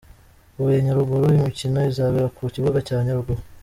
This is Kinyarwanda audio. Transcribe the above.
Huye-Nyaruguru : Imikino izabera ku kibuga cya Nyaruguru.